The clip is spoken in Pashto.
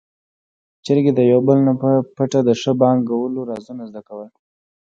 چرګې د يو بل نه په پټه د ښه بانګ کولو رازونه زده کول.